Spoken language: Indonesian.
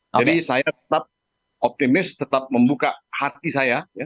jadi saya tetap optimis tetap membuka hati saya